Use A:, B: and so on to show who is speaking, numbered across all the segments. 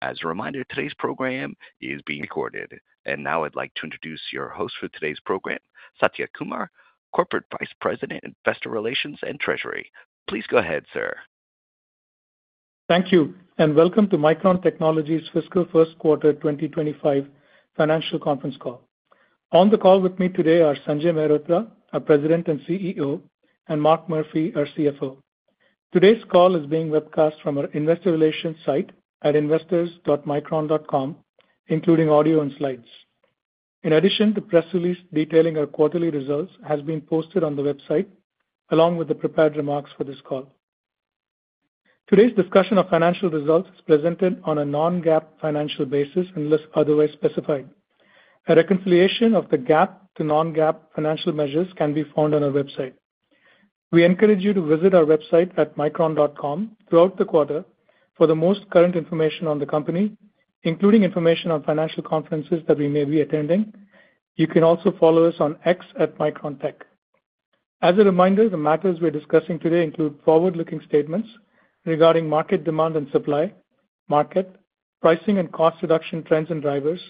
A: As a reminder, today's program is being recorded. And now I'd like to introduce your host for today's program, Satya Kumar, Corporate Vice President, Investor Relations and Treasury. So please go ahead, sir.
B: Thank you, and welcome to Micron Technology's Fiscal First Quarter 2025 Financial Conference Call. On the call with me today are Sanjay Mehrotra, our President and CEO, and Mark Murphy, our CFO. Today's call is being webcast from our investor relations site at investors.micron.com, including audio and slides. In addition, the press release detailing our quarterly results has been posted on the website, along with the prepared remarks for this call. Today's discussion of financial results is presented on a non-GAAP financial basis unless otherwise specified. A reconciliation of the GAAP to non-GAAP financial measures can be found on our website. We encourage you to visit our website at micron.com throughout the quarter for the most current information on the company, including information on financial conferences that we may be attending. You can also follow us on X at Micron Tech. As a reminder, the matters we're discussing today include forward-looking statements regarding market demand and supply, market, pricing and cost reduction trends and drivers,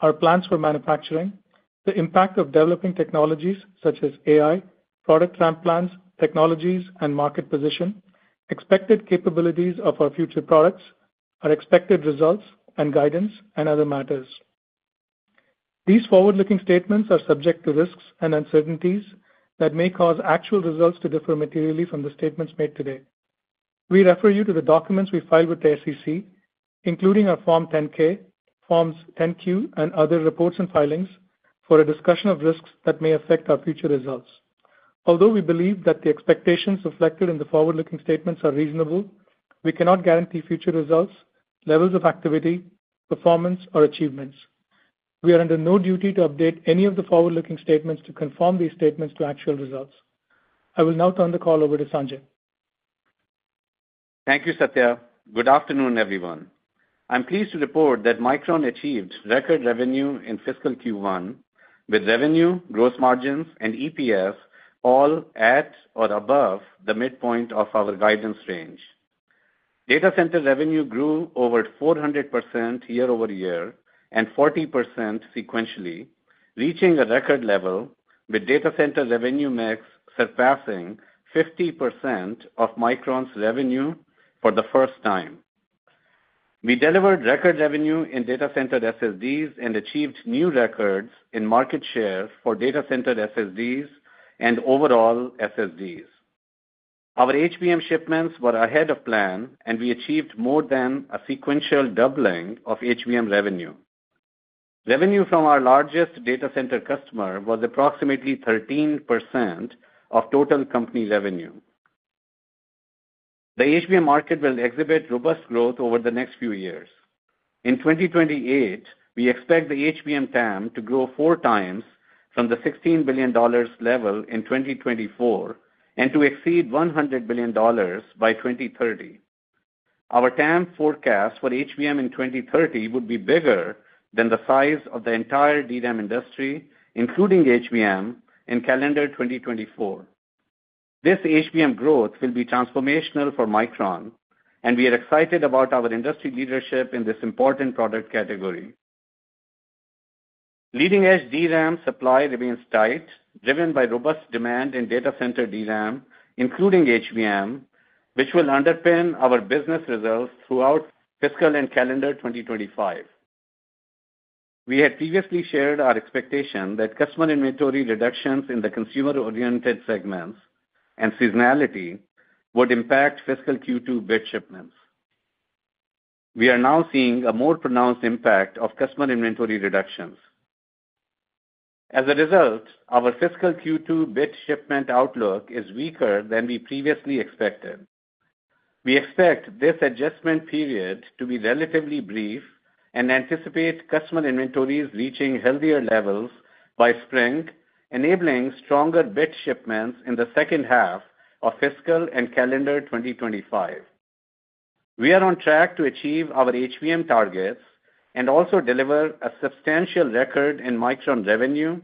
B: our plans for manufacturing, the impact of developing technologies such as AI, product ramp plans, technologies, and market position, expected capabilities of our future products, our expected results and guidance, and other matters. These forward-looking statements are subject to risks and uncertainties that may cause actual results to differ materially from the statements made today. We refer you to the documents we filed with the SEC, including our Form 10-K, Forms 10-Q, and other reports and filings for a discussion of risks that may affect our future results. Although we believe that the expectations reflected in the forward-looking statements are reasonable, we cannot guarantee future results, levels of activity, performance, or achievements. We are under no duty to update any of the forward-looking statements to conform these statements to actual results. I will now turn the call over to Sanjay.
C: Thank you, Satya. Good afternoon, everyone. I'm pleased to report that Micron achieved record revenue in fiscal Q1, with revenue, gross margins, and EPS all at or above the midpoint of our guidance range. Data center revenue grew over 400% year-over-year and 40% sequentially, reaching a record level, with data center revenue mix surpassing 50% of Micron's revenue for the first time. We delivered record revenue in data center SSDs and achieved new records in market share for data center SSDs and overall SSDs. Our HBM shipments were ahead of plan, and we achieved more than a sequential doubling of HBM revenue. Revenue from our largest data center customer was approximately 13% of total company revenue. The HBM market will exhibit robust growth over the next few years. In 2028, we expect the HBM TAM to grow four times from the $16 billion level in 2024 and to exceed $100 billion by 2030. Our TAM forecast for HBM in 2030 would be bigger than the size of the entire DRAM industry, including HBM, in calendar 2024. This HBM growth will be transformational for Micron, and we are excited about our industry leadership in this important product category. Leading-edge DRAM supply remains tight, driven by robust demand in data center DRAM, including HBM, which will underpin our business results throughout fiscal and calendar 2025. We had previously shared our expectation that customer inventory reductions in the consumer-oriented segments and seasonality would impact fiscal Q2 bid shipments. We are now seeing a more pronounced impact of customer inventory reductions. As a result, our fiscal Q2 bid shipment outlook is weaker than we previously expected. We expect this adjustment period to be relatively brief and anticipate customer inventories reaching healthier levels by spring, enabling stronger bid shipments in the second half of fiscal and calendar 2025. We are on track to achieve our HBM targets and also deliver a substantial record in Micron revenue,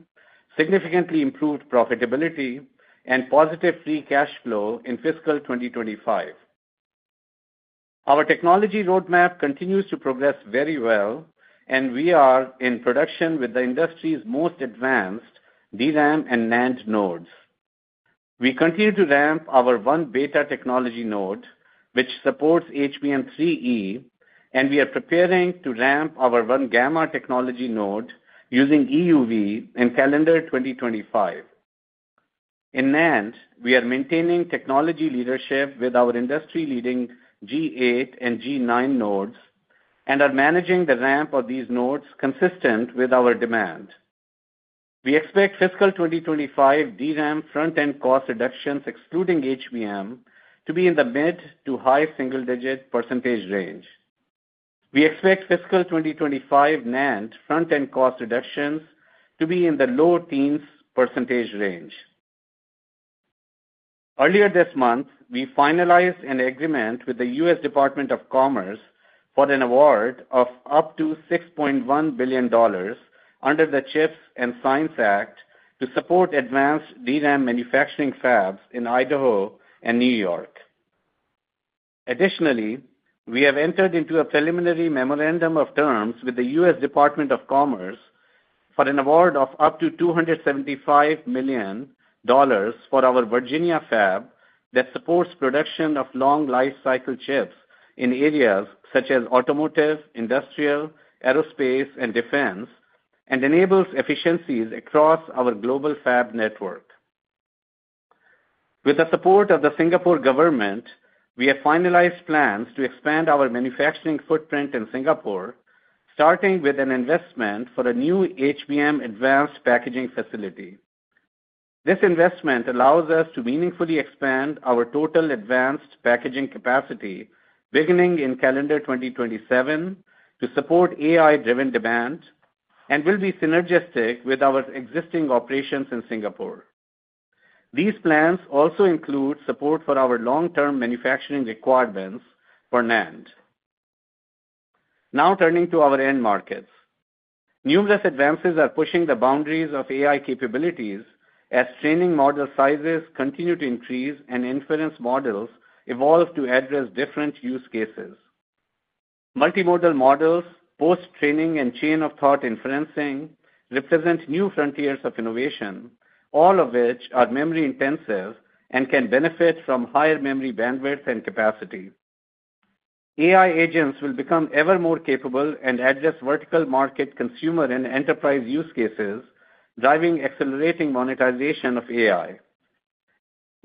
C: significantly improved profitability, and positive free cash flow in fiscal 2025. Our technology roadmap continues to progress very well, and we are in production with the industry's most advanced DRAM and NAND nodes. We continue to ramp our 1-beta technology node, which supports HBM3E, and we are preparing to ramp our 1-gamma technology node using EUV in calendar 2025. In NAND, we are maintaining technology leadership with our industry-leading G8 and G9 nodes and are managing the ramp of these nodes consistent with our demand. We expect fiscal 2025 DRAM front-end cost reductions, excluding HBM, to be in the mid-to-high single-digit percentage range. We expect fiscal 2025 NAND front-end cost reductions to be in the low-teens percentage range. Earlier this month, we finalized an agreement with the U.S. Department of Commerce for an award of up to $6.1 billion under the CHIPS and Science Act to support advanced DRAM manufacturing fabs in Idaho and New York. Additionally, we have entered into a preliminary memorandum of terms with the U.S. Department of Commerce for an award of up to $275 million for our Virginia fab that supports production of long-life cycle chips in areas such as automotive, industrial, aerospace, and defense, and enables efficiencies across our global fab network. With the support of the Singapore government, we have finalized plans to expand our manufacturing footprint in Singapore, starting with an investment for a new HBM advanced packaging facility. This investment allows us to meaningfully expand our total advanced packaging capacity, beginning in calendar 2027, to support AI-driven demand and will be synergistic with our existing operations in Singapore. These plans also include support for our long-term manufacturing requirements for NAND. Now turning to our end markets, numerous advances are pushing the boundaries of AI capabilities as training model sizes continue to increase and inference models evolve to address different use cases. Multimodal models, post-training, and chain-of-thought inferencing represent new frontiers of innovation, all of which are memory-intensive and can benefit from higher memory bandwidth and capacity. AI agents will become ever more capable and address vertical market consumer and enterprise use cases, driving accelerating monetization of AI.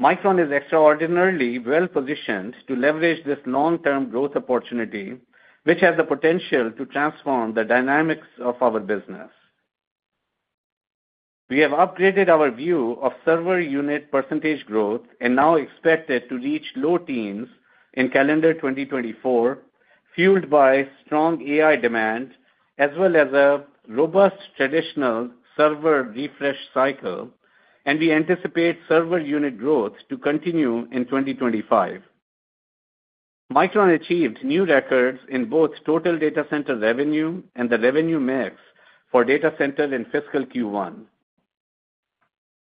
C: Micron is extraordinarily well-positioned to leverage this long-term growth opportunity, which has the potential to transform the dynamics of our business. We have upgraded our view of server unit percentage growth and now expect it to reach low teens in calendar 2024, fueled by strong AI demand as well as a robust traditional server refresh cycle, and we anticipate server unit growth to continue in 2025. Micron achieved new records in both total data center revenue and the revenue mix for data center in fiscal Q1.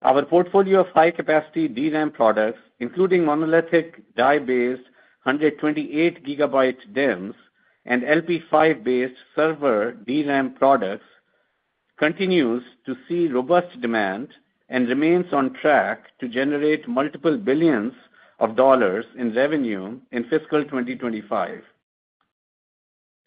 C: Our portfolio of high-capacity DRAM products, including monolithic die-based 128-gigabyte DIMMs and LP5-based server DRAM products, continues to see robust demand and remains on track to generate multiple billions of dollars in revenue in fiscal 2025.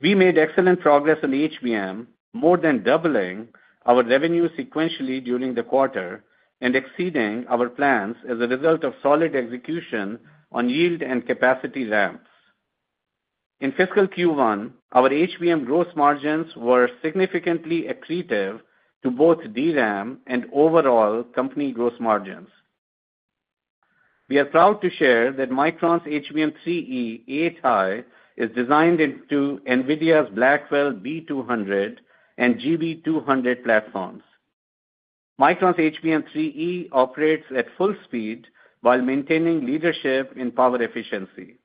C: We made excellent progress on HBM, more than doubling our revenue sequentially during the quarter and exceeding our plans as a result of solid execution on yield and capacity ramps. In fiscal Q1, our HBM gross margins were significantly accretive to both DRAM and overall company gross margins. We are proud to share that Micron's HBM3E, 8-high, is designed into NVIDIA's Blackwell B200 and GB200 platforms. Micron's HBM3E operates at full speed while maintaining leadership in power efficiency.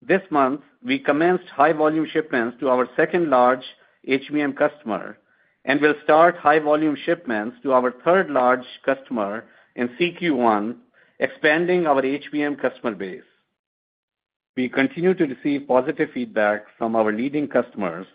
C: This month, we commenced high-volume shipments to our second-largest HBM customer and will start high-volume shipments to our third-largest customer in Q1, expanding our HBM customer base. We continue to receive positive feedback from our leading customers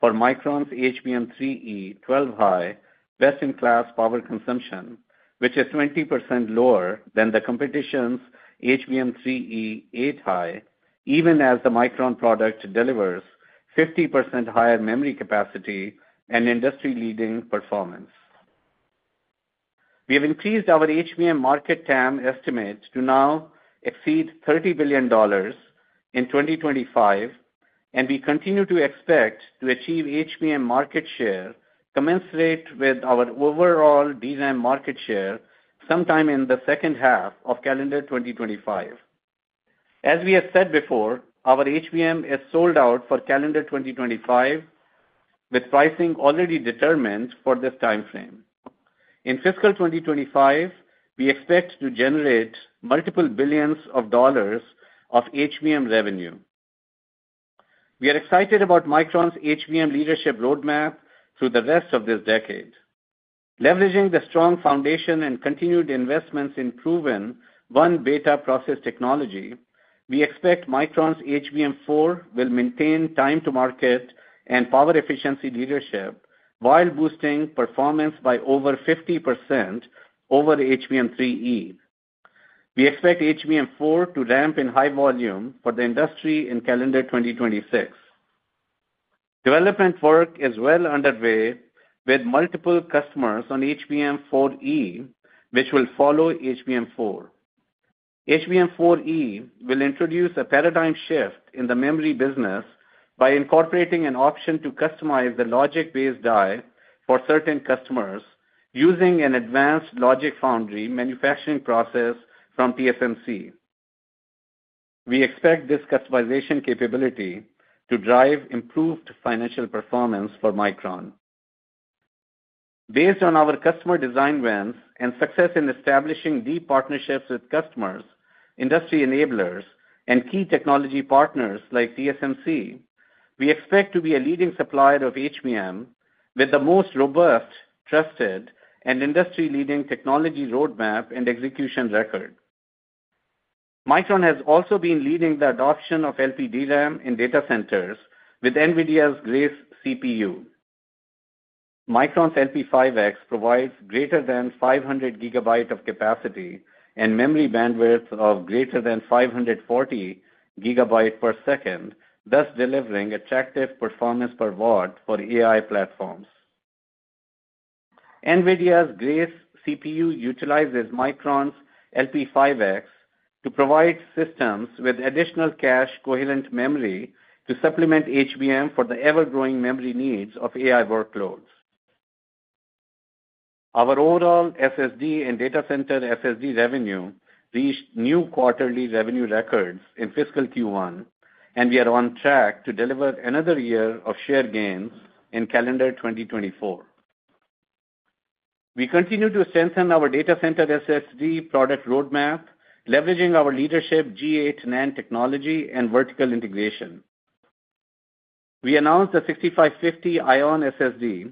C: for Micron's HBM3E, 12-high, best-in-class power consumption, which is 20% lower than the competition's HBM3E, 8-high, even as the Micron product delivers 50% higher memory capacity and industry-leading performance. We have increased our HBM market TAM estimate to now exceed $30 billion in 2025, and we continue to expect to achieve HBM market share commensurate with our overall DRAM market share sometime in the second half of calendar 2025. As we have said before, our HBM is sold out for calendar 2025, with pricing already determined for this time frame. In fiscal 2025, we expect to generate multiple billions of dollars of HBM revenue. We are excited about Micron's HBM leadership roadmap through the rest of this decade. Leveraging the strong foundation and continued investments in proven 1-beta process technology, we expect Micron's HBM4 will maintain time-to-market and power efficiency leadership while boosting performance by over 50% over HBM3E. We expect HBM4 to ramp in high volume for the industry in calendar 2026. Development work is well underway with multiple customers on HBM4E, which will follow HBM4. HBM4E will introduce a paradigm shift in the memory business by incorporating an option to customize the logic-based die for certain customers using an advanced logic foundry manufacturing process from TSMC. We expect this customization capability to drive improved financial performance for Micron. Based on our customer design wins and success in establishing deep partnerships with customers, industry enablers, and key technology partners like TSMC, we expect to be a leading supplier of HBM with the most robust, trusted, and industry-leading technology roadmap and execution record. Micron has also been leading the adoption of LPDRAM in data centers with NVIDIA's Grace CPU. Micron's LP5X provides greater than 500 gigabytes of capacity and memory bandwidth of greater than 540 gigabytes per second, thus delivering attractive performance per watt for AI platforms. NVIDIA's Grace CPU utilizes Micron's LP5X to provide systems with additional cache coherent memory to supplement HBM for the ever-growing memory needs of AI workloads. Our overall SSD and data center SSD revenue reached new quarterly revenue records in fiscal Q1, and we are on track to deliver another year of share gains in calendar 2024. We continue to strengthen our data center SSD product roadmap, leveraging our leadership G8 NAND technology and vertical integration. We announced the 6550 ION SSD,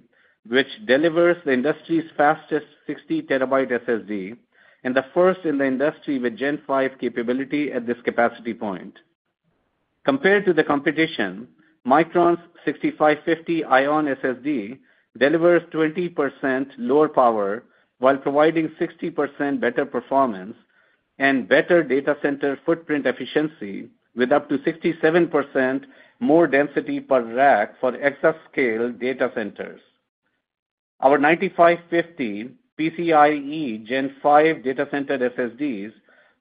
C: which delivers the industry's fastest 60 terabyte SSD and the first in the industry with Gen 5 capability at this capacity point. Compared to the competition, Micron's 6550 ION SSD delivers 20% lower power while providing 60% better performance and better data center footprint efficiency with up to 67% more density per rack for exascale data centers. Our 9550 PCIe Gen 5 data center SSDs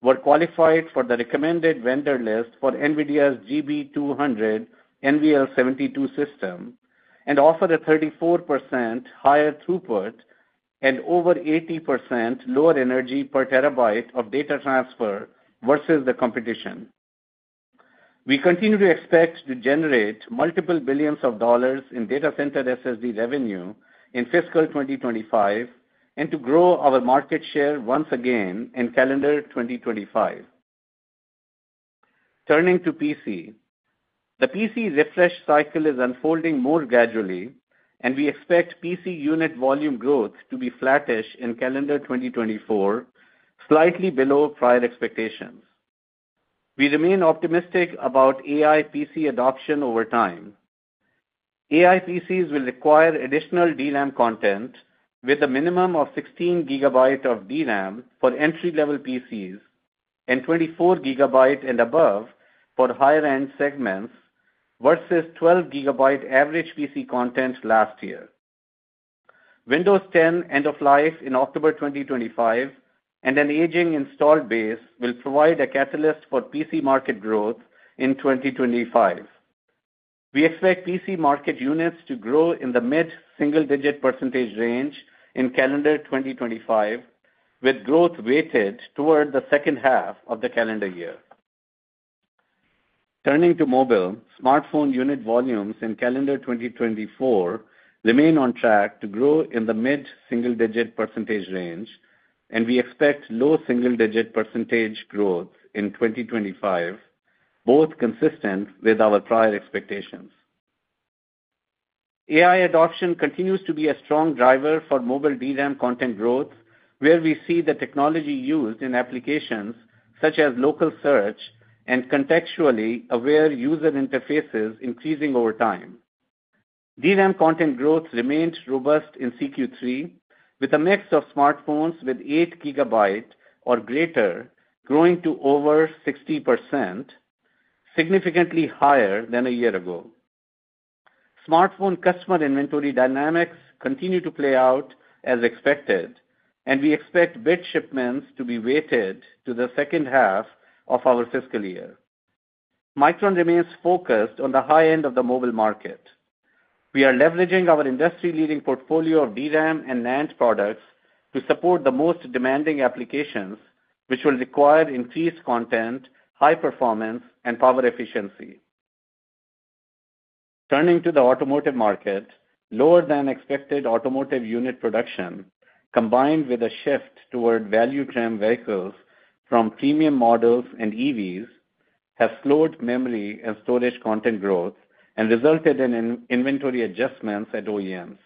C: were qualified for the recommended vendor list for NVIDIA's GB200 NVL72 system and offer a 34% higher throughput and over 80% lower energy per terabyte of data transfer versus the competition. We continue to expect to generate multiple billions of dollars in data center SSD revenue in fiscal 2025 and to grow our market share once again in calendar 2025. Turning to PC, the PC refresh cycle is unfolding more gradually, and we expect PC unit volume growth to be flattish in calendar 2024, slightly below prior expectations. We remain optimistic about AI PC adoption over time. AI PCs will require additional DRAM content with a minimum of 16 gigabytes of DRAM for entry-level PCs and 24 gigabytes and above for higher-end segments versus 12 gigabytes average PC content last year. Windows 10 end-of-life in October 2025 and an aging installed base will provide a catalyst for PC market growth in 2025. We expect PC market units to grow in the mid-single-digit percentage range in calendar 2025, with growth weighted toward the second half of the calendar year. Turning to mobile, smartphone unit volumes in calendar 2024 remain on track to grow in the mid-single-digit percentage range, and we expect low single-digit percentage growth in 2025, both consistent with our prior expectations. AI adoption continues to be a strong driver for mobile DRAM content growth, where we see the technology used in applications such as local search and contextually aware user interfaces increasing over time. DRAM content growth remained robust in Q3, with a mix of smartphones with eight gigabytes or greater growing to over 60%, significantly higher than a year ago. Smartphone customer inventory dynamics continue to play out as expected, and we expect bid shipments to be weighted to the second half of our fiscal year. Micron remains focused on the high end of the mobile market. We are leveraging our industry-leading portfolio of DRAM and NAND products to support the most demanding applications, which will require increased content, high performance, and power efficiency. Turning to the automotive market, lower than expected automotive unit production, combined with a shift toward value-trim vehicles from premium models and EVs, has slowed memory and storage content growth and resulted in inventory adjustments at OEMs.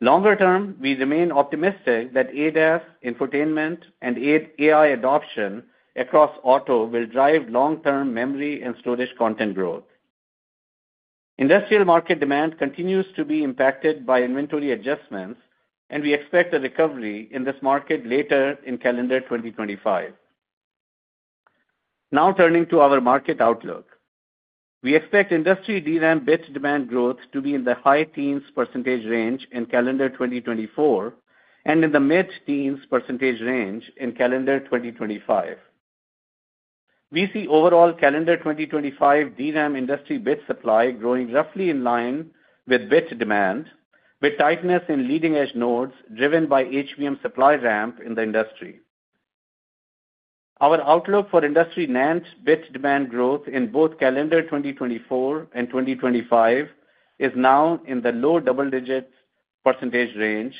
C: Longer term, we remain optimistic that ADAS, infotainment, and AI adoption across auto will drive long-term memory and storage content growth. Industrial market demand continues to be impacted by inventory adjustments, and we expect a recovery in this market later in calendar 2025. Now turning to our market outlook, we expect industry DRAM bid demand growth to be in the high teens percentage range in calendar 2024 and in the mid-teens percentage range in calendar 2025. We see overall calendar 2025 DRAM industry bid supply growing roughly in line with bid demand, with tightness in leading-edge nodes driven by HBM supply ramp in the industry. Our outlook for industry NAND bid demand growth in both calendar 2024 and 2025 is now in the low double-digit percentage range,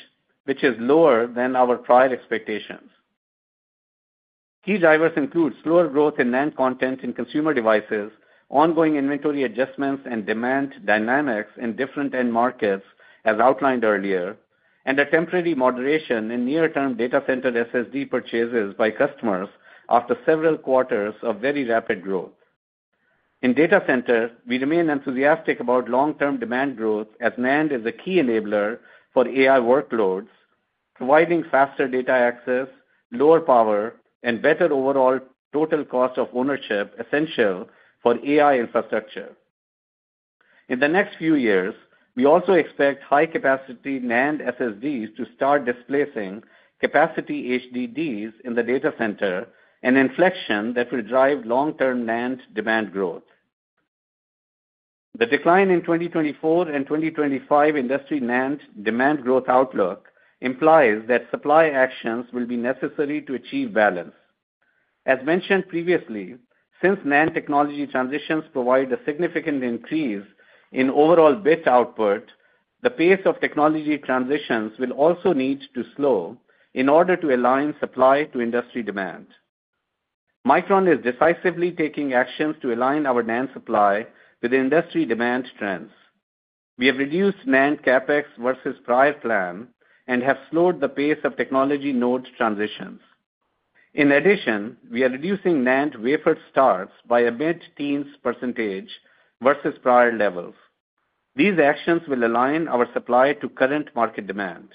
C: which is lower than our prior expectations. Key drivers include slower growth in NAND content in consumer devices, ongoing inventory adjustments and demand dynamics in different end markets, as outlined earlier, and a temporary moderation in near-term data center SSD purchases by customers after several quarters of very rapid growth. In data center, we remain enthusiastic about long-term demand growth as NAND is a key enabler for AI workloads, providing faster data access, lower power, and better overall total cost of ownership essential for AI infrastructure. In the next few years, we also expect high-capacity NAND SSDs to start displacing capacity HDDs in the data center, an inflection that will drive long-term NAND demand growth. The decline in 2024 and 2025 industry NAND demand growth outlook implies that supply actions will be necessary to achieve balance. As mentioned previously, since NAND technology transitions provide a significant increase in overall bit output, the pace of technology transitions will also need to slow in order to align supply to industry demand. Micron is decisively taking actions to align our NAND supply with industry demand trends. We have reduced NAND CapEx versus prior plan and have slowed the pace of technology node transitions. In addition, we are reducing NAND wafer starts by a mid-teens percentage versus prior levels. These actions will align our supply to current market demand.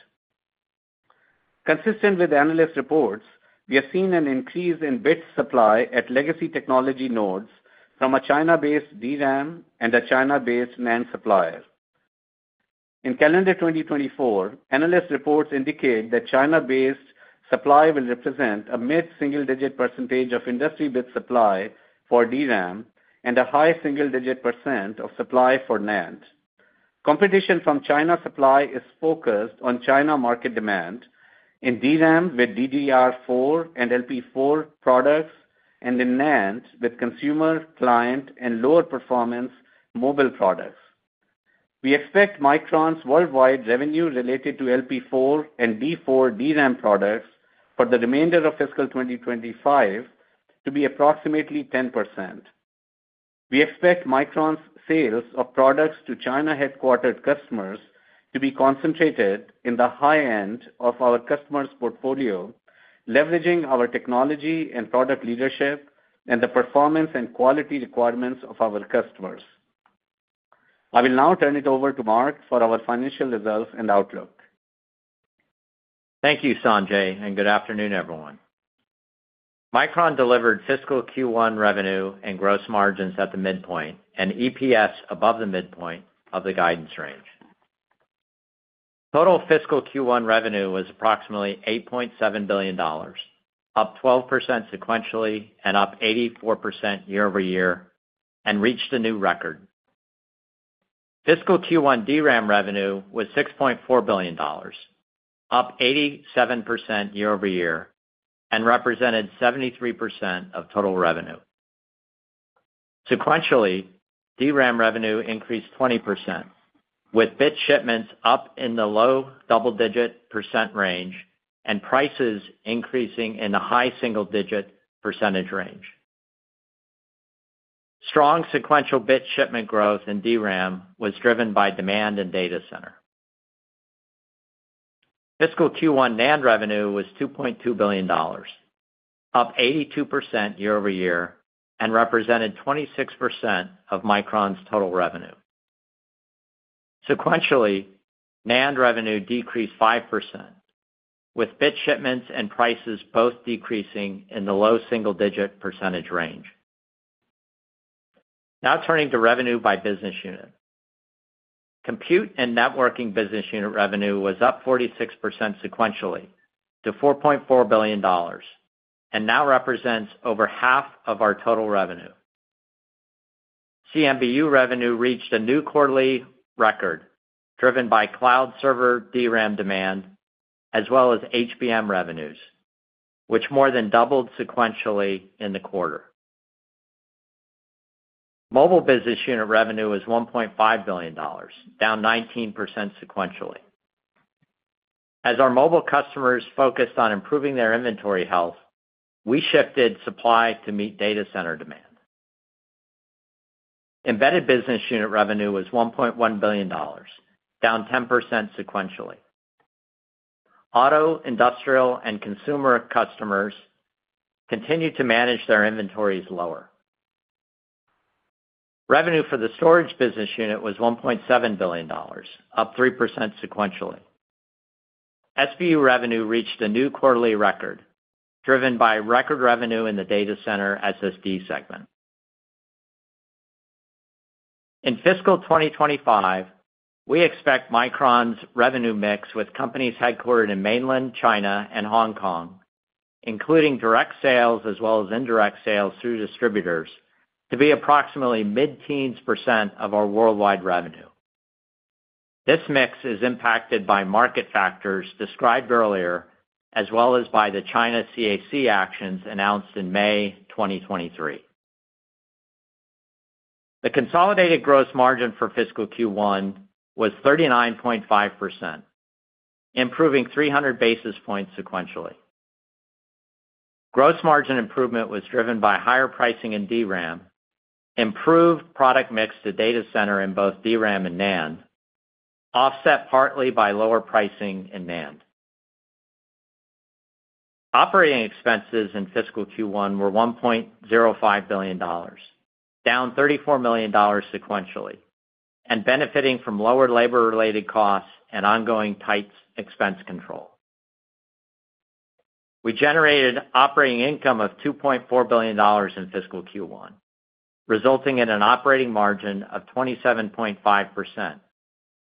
C: Consistent with analyst reports, we have seen an increase in bid supply at legacy technology nodes from a China-based DRAM and a China-based NAND supplier. In calendar 2024, analyst reports indicate that China-based supply will represent a mid-single-digit percentage of industry bid supply for DRAM and a high single-digit percent of supply for NAND. Competition from China supply is focused on China market demand in DRAM with DDR4 and LP4 products and in NAND with consumer, client, and lower performance mobile products. We expect Micron's worldwide revenue related to LP4 and DDR4 DRAM products for the remainder of fiscal 2025 to be approximately 10%. We expect Micron's sales of products to China-headquartered customers to be concentrated in the high end of our customers' portfolio, leveraging our technology and product leadership and the performance and quality requirements of our customers. I will now turn it over to Mark for our financial results and outlook.
D: Thank you, Sanjay, and good afternoon, everyone. Micron delivered Fiscal Q1 revenue and gross margins at the midpoint and EPS above the midpoint of the guidance range. Total Fiscal Q1 revenue was approximately $8.7 billion, up 12% sequentially and up 84% year-over-year, and reached a new record. Fiscal Q1 DRAM revenue was $6.4 billion, up 87% year-over-year, and represented 73% of total revenue. Sequentially, DRAM revenue increased 20%, with bid shipments up in the low double-digit % range and prices increasing in the high single-digit percentage range. Strong sequential bid shipment growth in DRAM was driven by demand in data center. Fiscal Q1 NAND revenue was $2.2 billion, up 82% year-over-year, and represented 26% of Micron's total revenue. Sequentially, NAND revenue decreased 5%, with bid shipments and prices both decreasing in the low single-digit percentage range. Now turning to revenue by business unit. Compute and Networking Business Unit revenue was up 46% sequentially to $4.4 billion and now represents over half of our total revenue. CMBU revenue reached a new quarterly record driven by cloud server DRAM demand, as well as HBM revenues, which more than doubled sequentially in the quarter. Mobile Business Unit revenue was $1.5 billion, down 19% sequentially. As our mobile customers focused on improving their inventory health, we shifted supply to meet data center demand. Embedded Business Unit revenue was $1.1 billion, down 10% sequentially. Auto, industrial, and consumer customers continued to manage their inventories lower. Revenue for the Storage Business Unit was $1.7 billion, up 3% sequentially. SBU revenue reached a new quarterly record driven by record revenue in the data center SSD segment. In fiscal 2025, we expect Micron's revenue mix with companies headquartered in mainland China and Hong Kong, including direct sales as well as indirect sales through distributors, to be approximately mid-teens % of our worldwide revenue. This mix is impacted by market factors described earlier, as well as by the China CAC actions announced in May 2023. The consolidated gross margin for Fiscal Q1 was 39.5%, improving 300 basis points sequentially. Gross margin improvement was driven by higher pricing in DRAM, improved product mix to data center in both DRAM and NAND, offset partly by lower pricing in NAND. Operating expenses in Fiscal Q1 were $1.05 billion, down $34 million sequentially, and benefiting from lower labor-related costs and ongoing tight expense control. We generated operating income of $2.4 billion in Fiscal Q1, resulting in an operating margin of 27.5%,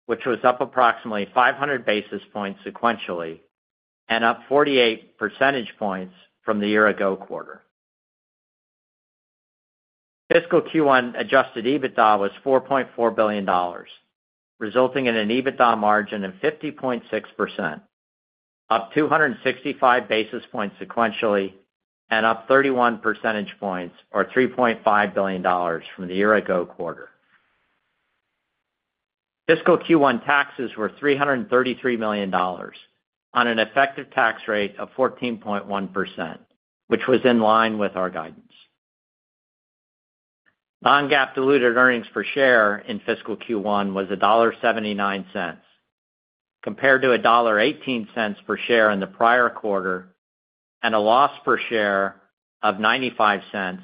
D: which was up approximately 500 basis points sequentially and up 48 percentage points from the year-ago quarter. Fiscal Q1 adjusted EBITDA was $4.4 billion, resulting in an EBITDA margin of 50.6%, up 265 basis points sequentially, and up 31 percentage points, or $3.5 billion, from the year-ago quarter. Fiscal Q1 taxes were $333 million on an effective tax rate of 14.1%, which was in line with our guidance. Non-GAAP diluted earnings per share in Fiscal Q1 was $1.79, compared to $1.18 per share in the prior quarter and a loss per share of $0.95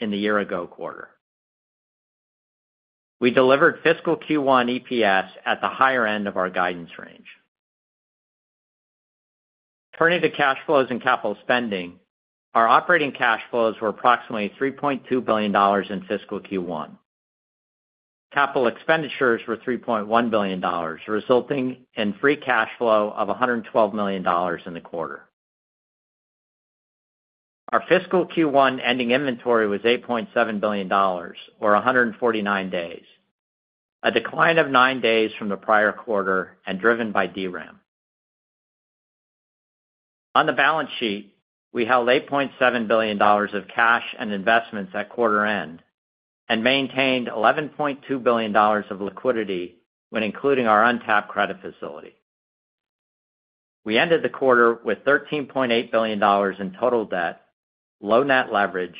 D: in the year-ago quarter. We delivered Fiscal Q1 EPS at the higher end of our guidance range. Turning to cash flows and capital spending, our operating cash flows were approximately $3.2 billion in Fiscal Q1. Capital expenditures were $3.1 billion, resulting in free cash flow of $112 million in the quarter. Our Fiscal Q1 ending inventory was $8.7 billion, or 149 days, a decline of nine days from the prior quarter and driven by DRAM. On the balance sheet, we held $8.7 billion of cash and investments at quarter end and maintained $11.2 billion of liquidity when including our untapped credit facility. We ended the quarter with $13.8 billion in total debt, low net leverage,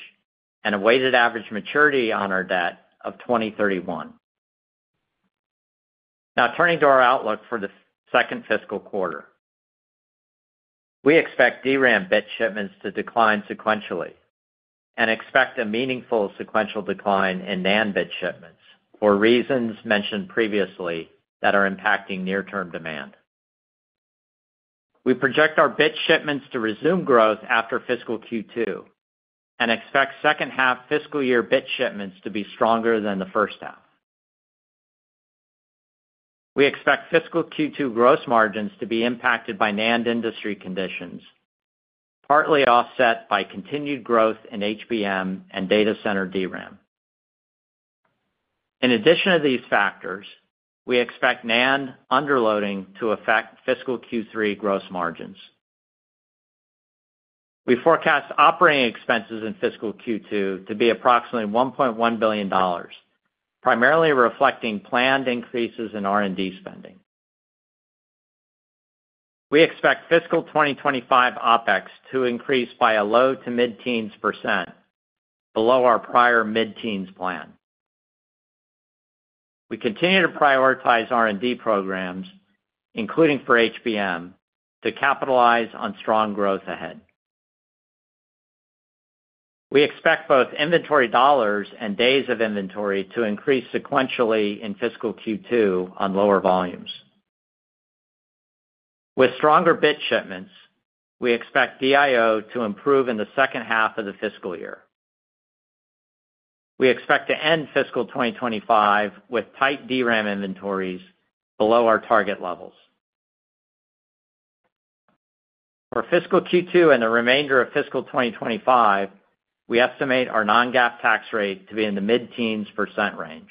D: and a weighted average maturity on our debt of 2031. Now turning to our outlook for the second fiscal quarter. We expect DRAM bid shipments to decline sequentially and expect a meaningful sequential decline in NAND bid shipments for reasons mentioned previously that are impacting near-term demand. We project our bid shipments to resume growth after fiscal Q2 and expect second-half fiscal year bid shipments to be stronger than the first half. We expect fiscal Q2 gross margins to be impacted by NAND industry conditions, partly offset by continued growth in HBM and data center DRAM. In addition to these factors, we expect NAND underloading to affect fiscal Q3 gross margins. We forecast operating expenses in fiscal Q2 to be approximately $1.1 billion, primarily reflecting planned increases in R&D spending. We expect fiscal 2025 OPEX to increase by a low to mid-teens % below our prior mid-teens plan. We continue to prioritize R&D programs, including for HBM, to capitalize on strong growth ahead. We expect both inventory dollars and days of inventory to increase sequentially in fiscal Q2 on lower volumes. With stronger bid shipments, we expect DIO to improve in the second half of the fiscal year. We expect to end fiscal 2025 with tight DRAM inventories below our target levels. For fiscal Q2 and the remainder of fiscal 2025, we estimate our non-GAAP tax rate to be in the mid-teens% range.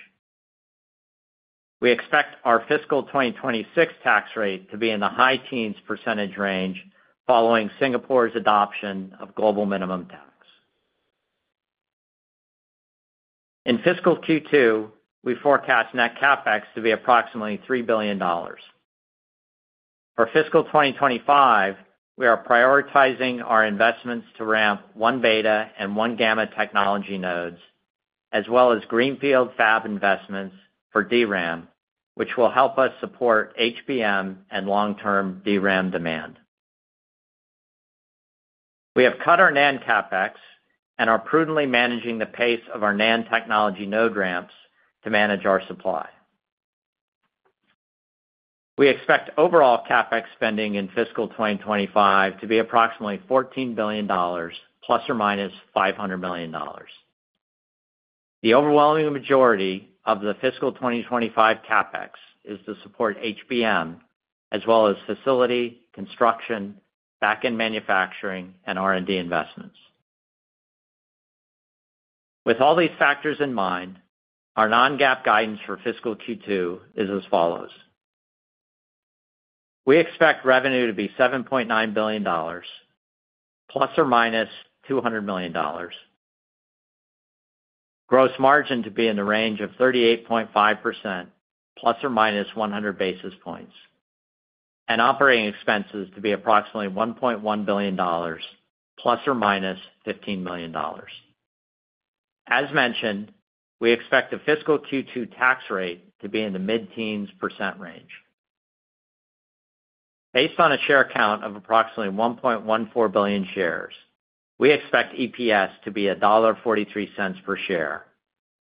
D: We expect our fiscal 2026 tax rate to be in the high teens% range following Singapore's adoption of global minimum tax. In fiscal Q2, we forecast net CapEx to be approximately $3 billion. For fiscal 2025, we are prioritizing our investments to ramp 1-beta and 1-gamma technology nodes, as well as greenfield fab investments for DRAM, which will help us support HBM and long-term DRAM demand. We have cut our NAND CapEx and are prudently managing the pace of our NAND technology node ramps to manage our supply. We expect overall CapEx spending in fiscal 2025 to be approximately $14 billion, plus or minus $500 million. The overwhelming majority of the fiscal 2025 CapEx is to support HBM, as well as facility, construction, back-end manufacturing, and R&D investments. With all these factors in mind, our Non-GAAP guidance for fiscal Q2 is as follows. We expect revenue to be $7.9 billion, plus or minus $200 million. Gross margin to be in the range of 38.5%, plus or minus 100 basis points. And operating expenses to be approximately $1.1 billion, plus or minus $15 million. As mentioned, we expect the fiscal Q2 tax rate to be in the mid-teens % range. Based on a share count of approximately 1.14 billion shares, we expect EPS to be $1.43 per share,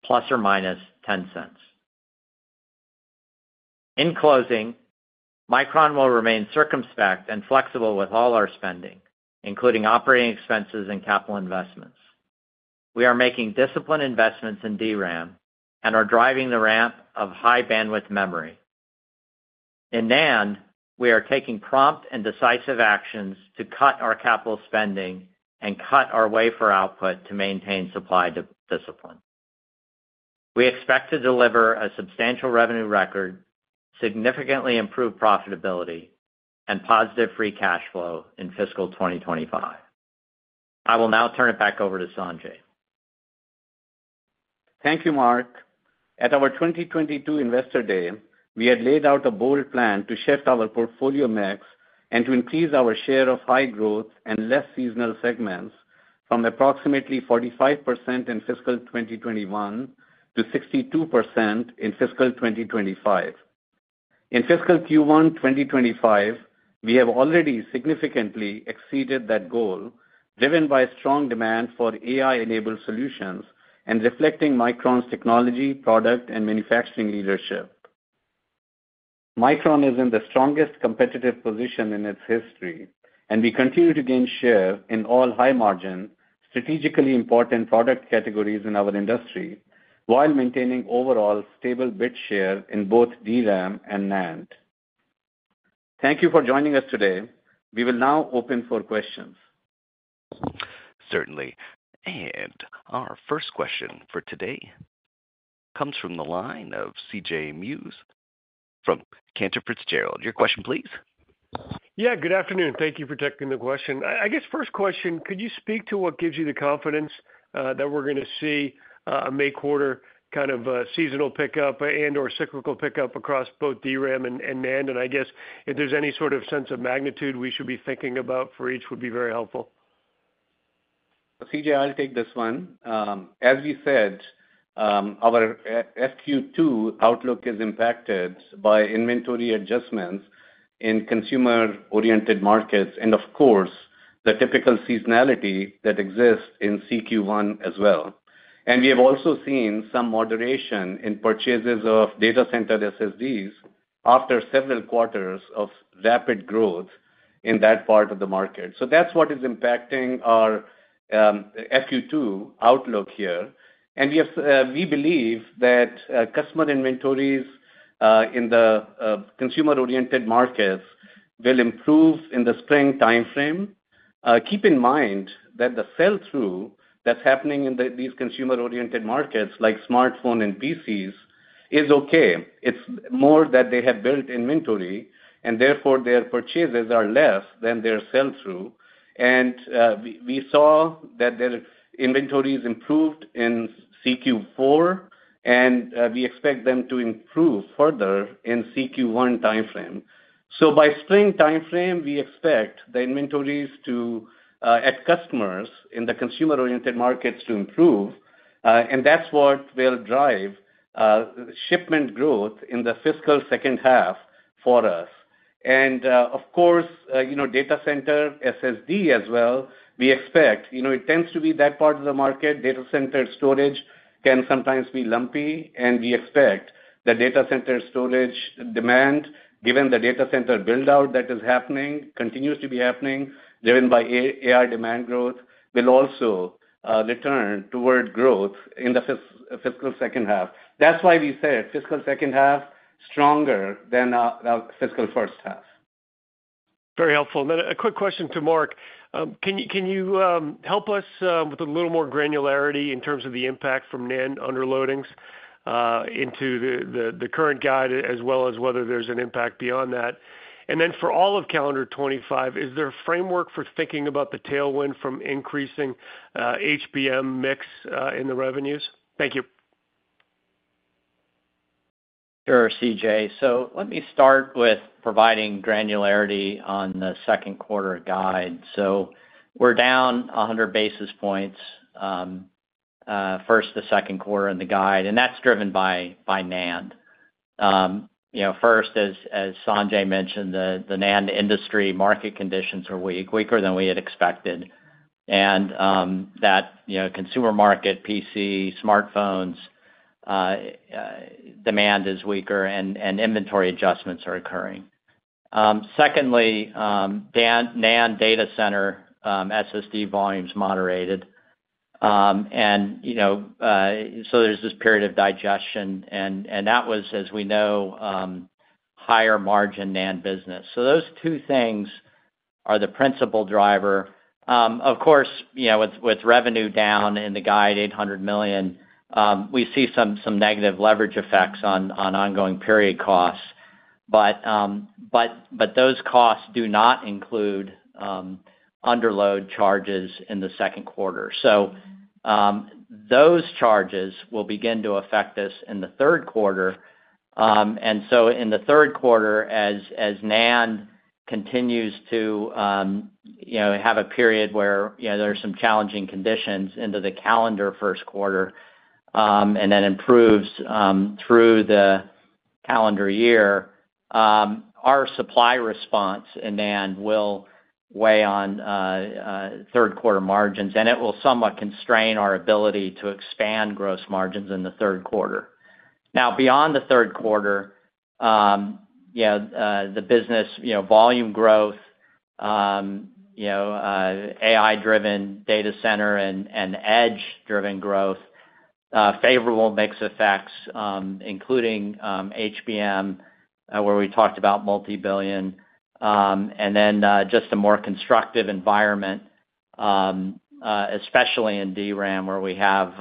D: plus or minus $0.10. In closing, Micron will remain circumspect and flexible with all our spending, including operating expenses and capital investments. We are making disciplined investments in DRAM and are driving the ramp of high bandwidth memory. In NAND, we are taking prompt and decisive actions to cut our capital spending and cut our wafer output to maintain supply discipline. We expect to deliver a substantial revenue record, significantly improve profitability, and positive free cash flow in fiscal 2025. I will now turn it back over to Sanjay.
C: Thank you, Mark. At our 2022 Investor Day, we had laid out a bold plan to shift our portfolio mix and to increase our share of high growth and less seasonal segments from approximately 45% in fiscal 2021 to 62% in fiscal 2025. In Fiscal Q1 2025, we have already significantly exceeded that goal, driven by strong demand for AI-enabled solutions and reflecting Micron's technology, product, and manufacturing leadership. Micron is in the strongest competitive position in its history, and we continue to gain share in all high-margin, strategically important product categories in our industry, while maintaining overall stable bid share in both DRAM and NAND. Thank you for joining us today. We will now open for questions.
A: Certainly. And our first question for today comes from the line of CJ Muse from Cantor Fitzgerald. Your question, please.
E: Yeah, good afternoon. Thank you for taking the question. I guess first question, could you speak to what gives you the confidence that we're going to see a May quarter kind of seasonal pickup and/or cyclical pickup across both DRAM and NAND? And I guess if there's any sort of sense of magnitude we should be thinking about for each would be very helpful.
C: CJ, I'll take this one. As we said, our FQ2 outlook is impacted by inventory adjustments in consumer-oriented markets and, of course, the typical seasonality that exists in CQ1 as well. And we have also seen some moderation in purchases of data center SSDs after several quarters of rapid growth in that part of the market. So that's what is impacting our FQ2 outlook here. And we believe that customer inventories in the consumer-oriented markets will improve in the spring timeframe. Keep in mind that the sell-through that's happening in these consumer-oriented markets, like smartphones and PCs, is okay. It's more that they have built inventory, and therefore their purchases are less than their sell-through. And we saw that their inventories improved in Q4, and we expect them to improve further in Q1 timeframe. So by spring timeframe, we expect the inventories at customers in the consumer-oriented markets to improve, and that's what will drive shipment growth in the fiscal second half for us. And of course, data center SSD as well, we expect it tends to be that part of the market. Data center storage can sometimes be lumpy, and we expect the data center storage demand, given the data center build-out that is happening, continues to be happening, driven by AI demand growth, will also return toward growth in the fiscal second half. That's why we said fiscal second half stronger than fiscal first half.
E: Very helpful. And then a quick question to Mark. Can you help us with a little more granularity in terms of the impact from NAND underloadings into the current guide, as well as whether there's an impact beyond that? And then for all of calendar 2025, is there a framework for thinking about the tailwind from increasing HBM mix in the revenues? Thank you.
D: Sure, CJ So let me start with providing granularity on the second quarter guide. So we're down 100 basis points first, the second quarter in the guide, and that's driven by NAND. First, as Sanjay mentioned, the NAND industry market conditions are weaker than we had expected, and that consumer market, PC, smartphones demand is weaker, and inventory adjustments are occurring. Secondly, NAND data center SSD volumes moderated, and so there's this period of digestion, and that was, as we know, higher margin NAND business. So those two things are the principal driver. Of course, with revenue down in the guide, $800 million, we see some negative leverage effects on ongoing period costs, but those costs do not include underload charges in the second quarter, so those charges will begin to affect us in the third quarter, and so in the third quarter, as NAND continues to have a period where there are some challenging conditions into the calendar first quarter and then improves through the calendar year, our supply response in NAND will weigh on third quarter margins, and it will somewhat constrain our ability to expand gross margins in the third quarter. Now, beyond the third quarter, the business volume growth, AI-driven data center and edge-driven growth, favorable mix effects, including HBM, where we talked about multi-billion, and then just a more constructive environment, especially in DRAM, where we have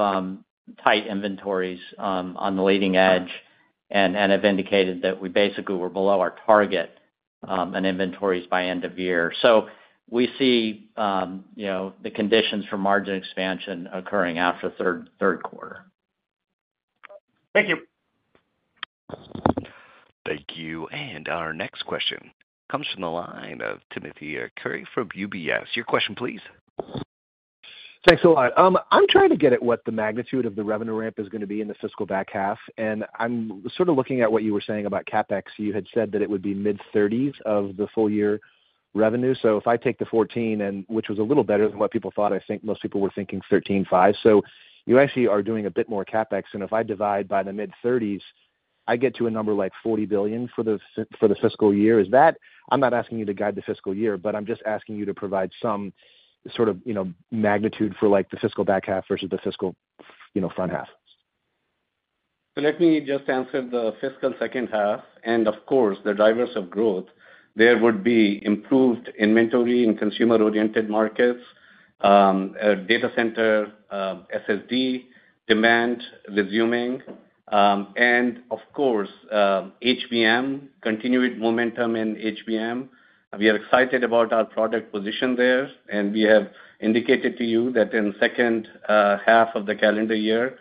D: tight inventories on the leading edge and have indicated that we basically were below our target in inventories by end of year. So we see the conditions for margin expansion occurring after third quarter.
E: Thank you.
A: Thank you. And our next question comes from the line of Timothy Arcuri from UBS. Your question, please.
F: Thanks a lot. I'm trying to get at what the magnitude of the revenue ramp is going to be in the fiscal back half, and I'm sort of looking at what you were saying about CapEx. You had said that it would be mid-thirties of the full year revenue. So if I take the '14, which was a little better than what people thought, I think most people were thinking '13, '05. So you actually are doing a bit more CapEx, and if I divide by the mid-thirties, I get to a number like $40 billion for the fiscal year. I'm not asking you to guide the fiscal year, but I'm just asking you to provide some sort of magnitude for the fiscal back half versus the fiscal front half.
C: So let me just answer the fiscal second half. And of course, the drivers of growth there would be improved inventory in consumer-oriented markets, data center SSD demand resuming, and of course, HBM, continued momentum in HBM. We are excited about our product position there, and we have indicated to you that in the second half of the calendar year,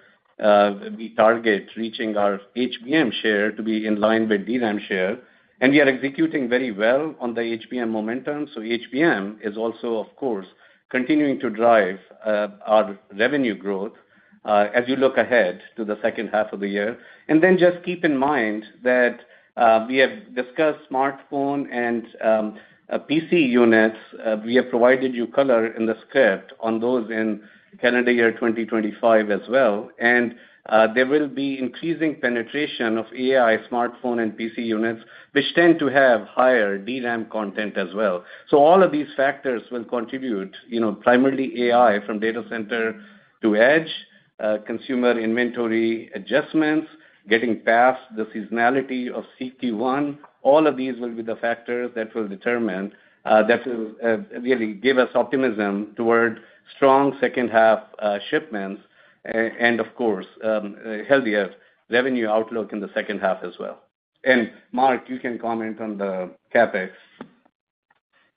C: we target reaching our HBM share to be in line with DRAM share, and we are executing very well on the HBM momentum. So HBM is also, of course, continuing to drive our revenue growth as you look ahead to the second half of the year. And then just keep in mind that we have discussed smartphone and PC units. We have provided you color in the script on those in calendar year 2025 as well, and there will be increasing penetration of AI smartphone and PC units, which tend to have higher DRAM content as well. So all of these factors will contribute, primarily AI from data center to edge, consumer inventory adjustments, getting past the seasonality of CQ1. All of these will be the factors that will really give us optimism toward strong second half shipments and, of course, healthier revenue outlook in the second half as well. And Mark, you can comment on the CapEx.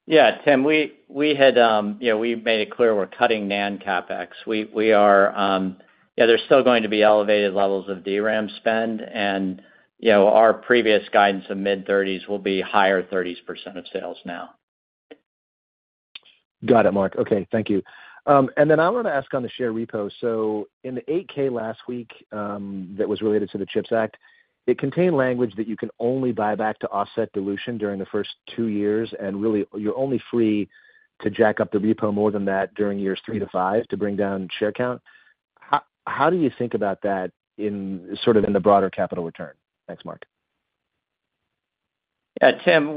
D: Yeah, Tim, we had made it clear we're cutting NAND CapEx. Yeah, there's still going to be elevated levels of DRAM spend, and our previous guidance of mid-thirties% will be higher 30% of sales now.
F: Got it, Mark. Okay, thank you. And then I want to ask on the share repo. So in the 8K last week that was related to the CHIPS Act, it contained language that you can only buy back to offset dilution during the first two years, and really you're only free to jack up the repo more than that during years three to five to bring down share count. How do you think about that sort of in the broader capital return? Thanks, Mark.
D: Yeah, Tim,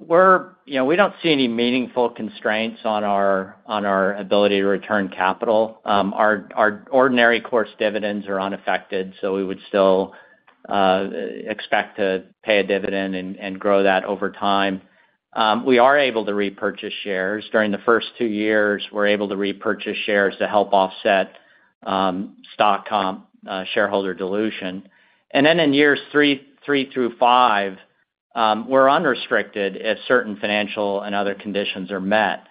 D: we don't see any meaningful constraints on our ability to return capital. Our ordinary course dividends are unaffected, so we would still expect to pay a dividend and grow that over time. We are able to repurchase shares. During the first two years, we're able to repurchase shares to help offset stock comp shareholder dilution. And then in years three through five, we're unrestricted if certain financial and other conditions are met,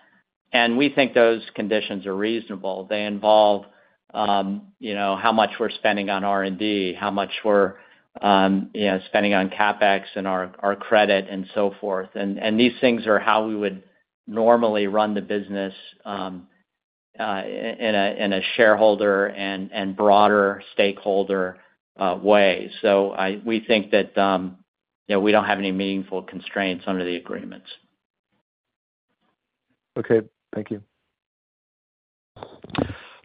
D: and we think those conditions are reasonable. They involve how much we're spending on R&D, how much we're spending on CapEx and our credit and so forth. And these things are how we would normally run the business in a shareholder and broader stakeholder way. So we think that we don't have any meaningful constraints under the agreements.
F: Okay, thank you.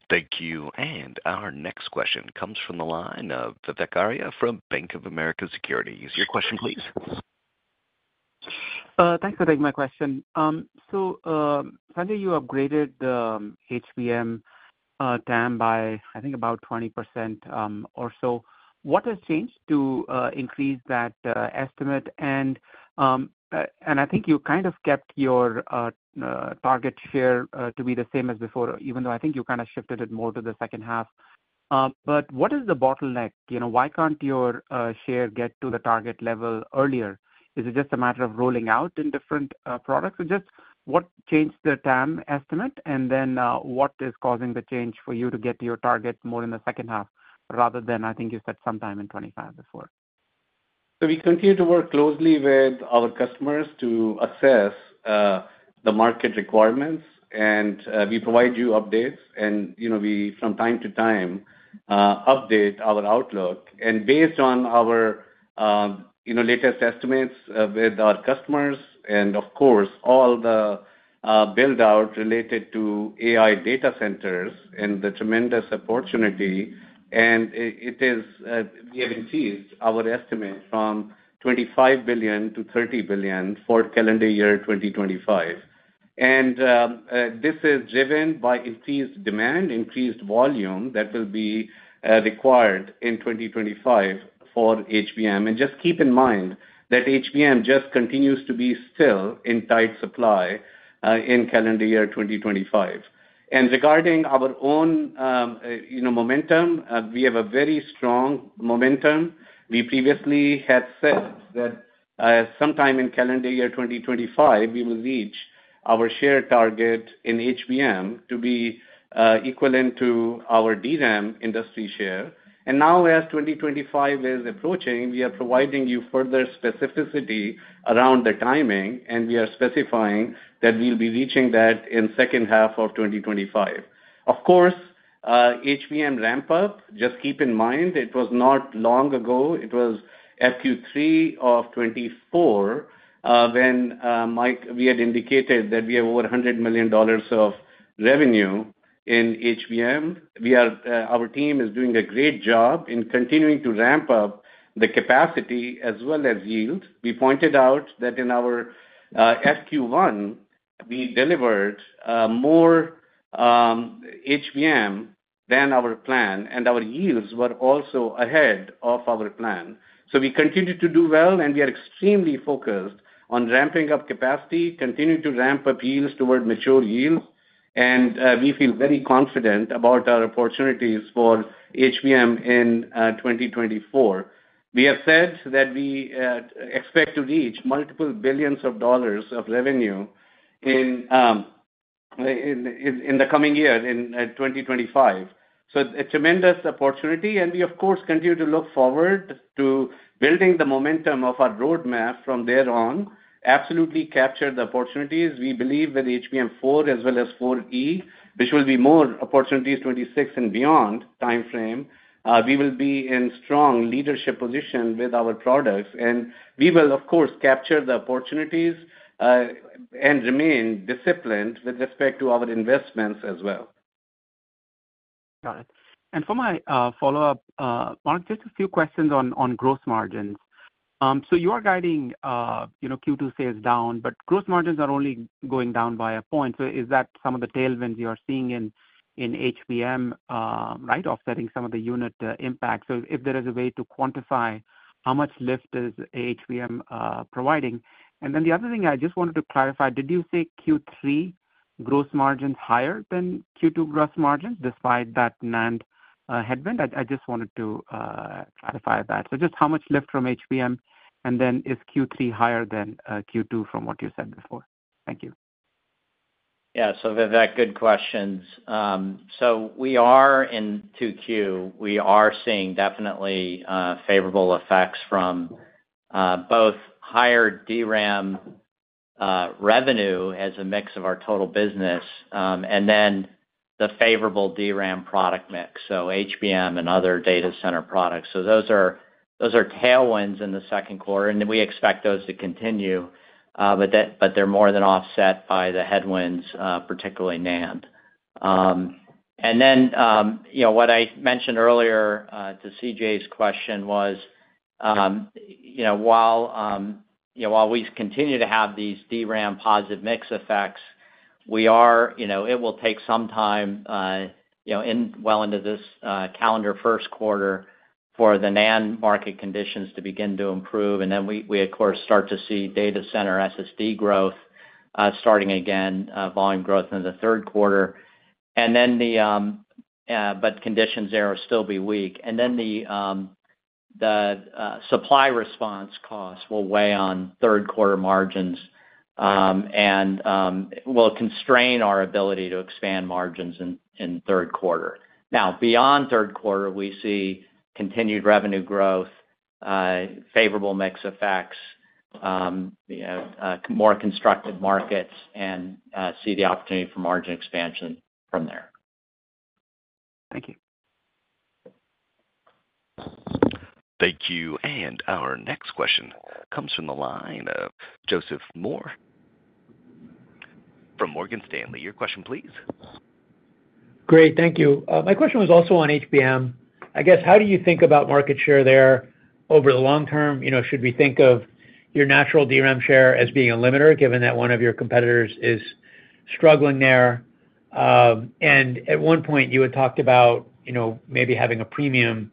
A: Thank you. And our next question comes from the line of Vivek Arya from Bank of America Securities. Your question, please.
G: Thanks for taking my question. So Sanjay, you upgraded the HBM TAM by, I think, about 20% or so. What has changed to increase that estimate? And I think you kind of kept your target share to be the same as before, even though I think you kind of shifted it more to the second half. But what is the bottleneck? Why can't your share get to the target level earlier? Is it just a matter of rolling out in different products? Just what changed the TAM estimate, and then what is causing the change for you to get to your target more in the second half rather than, I think you said, sometime in 2025 before?
C: We continue to work closely with our customers to assess the market requirements, and we provide you updates, and we, from time to time, update our outlook. Based on our latest estimates with our customers and, of course, all the build-out related to AI data centers and the tremendous opportunity, we have increased our estimate from $25 to 30 billion for calendar year 2025. This is driven by increased demand, increased volume that will be required in 2025 for HBM. Just keep in mind that HBM just continues to be still in tight supply in calendar year 2025. Regarding our own momentum, we have a very strong momentum. We previously had said that sometime in calendar year 2025, we will reach our share target in HBM to be equivalent to our DRAM industry share. And now, as 2025 is approaching, we are providing you further specificity around the timing, and we are specifying that we'll be reaching that in the second half of 2025. Of course, HBM ramp-up, just keep in mind, it was not long ago. It was FQ3 of 2024 when we had indicated that we have over $100 million of revenue in HBM. Our team is doing a great job in continuing to ramp up the capacity as well as yield. We pointed out that in our FQ1, we delivered more HBM than our plan, and our yields were also ahead of our plan. So we continue to do well, and we are extremely focused on ramping up capacity, continuing to ramp up yields toward mature yields, and we feel very confident about our opportunities for HBM in 2024. We have said that we expect to reach multiple billions of dollars of revenue in the coming year in 2025. So a tremendous opportunity, and we, of course, continue to look forward to building the momentum of our roadmap from there on, absolutely capture the opportunities. We believe with HBM4 as well as HBM4E, which will be more opportunities 2026 and beyond timeframe, we will be in a strong leadership position with our products, and we will, of course, capture the opportunities and remain disciplined with respect to our investments as well.
G: Got it. And for my follow-up, Mark, just a few questions on gross margins. So you are guiding Q2 sales down, but gross margins are only going down by a point. So is that some of the tailwinds you are seeing in HBM, right, offsetting some of the unit impact? So if there is a way to quantify how much lift is HBM providing? And then the other thing I just wanted to clarify, did you say Q3 gross margins higher than Q2 gross margins despite that NAND headwind? I just wanted to clarify that. So just how much lift from HBM, and then is Q3 higher than Q2 from what you said before? Thank you.
D: Yeah, so Vivek, good questions. So we are in Q2. We are seeing definitely favorable effects from both higher DRAM revenue as a mix of our total business and then the favorable DRAM product mix, so HBM and other data center products. So those are tailwinds in the second quarter, and we expect those to continue, but they're more than offset by the headwinds, particularly NAND. And then what I mentioned earlier to CJ's question was, while we continue to have these DRAM positive mix effects, it will take some time well into this calendar first quarter for the NAND market conditions to begin to improve. And then we, of course, start to see data center SSD growth starting again, volume growth in the third quarter. And then the conditions there will still be weak. And then the supply response costs will weigh on third quarter margins and will constrain our ability to expand margins in third quarter. Now, beyond third quarter, we see continued revenue growth, favorable mix effects, more constructive markets, and see the opportunity for margin expansion from there.
G: Thank you.
A: Thank you. And our next question comes from the line of Joseph Moore from Morgan Stanley. Your question, please.
H: Great. Thank you. My question was also on HBM. I guess, how do you think about market share there over the long term? Should we think of your natural DRAM share as being a limiter, given that one of your competitors is struggling there? And at one point, you had talked about maybe having a premium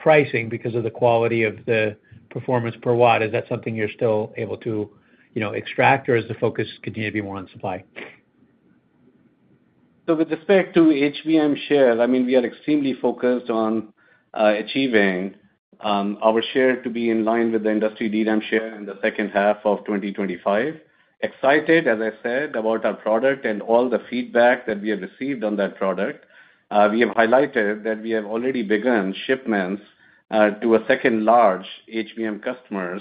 H: pricing because of the quality of the performance per watt. Is that something you're still able to extract, or is the focus continuing to be more on supply?
C: So with respect to HBM share, I mean, we are extremely focused on achieving our share to be in line with the industry DRAM share in the second half of 2025. Excited, as I said, about our product and all the feedback that we have received on that product. We have highlighted that we have already begun shipments to a second large HBM customer